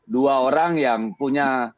dua orang yang punya